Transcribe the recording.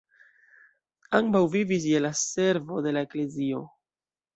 Ambaŭ vivis je la servo de la eklezio.